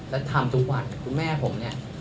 แล้วทำทุกวันคุณแม่ผมเนี่ย